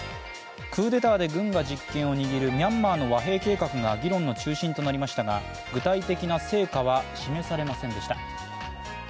クーデターで軍が実権を握るミャンマーの和平計画が議論の中心となりましたが具体的な成果は示されませんでした。